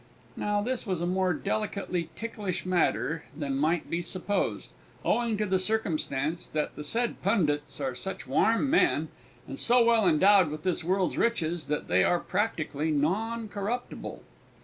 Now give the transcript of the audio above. Now this was a more delicately ticklish matter than might be supposed, owing to the circumstance that the said pundits are such warm men, and so well endowed with this world's riches that they are practically non corruptible.